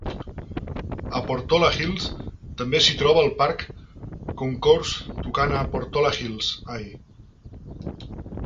A Portola Hills també s'hi troba el parc Concourse, tocant a Portola Hills I.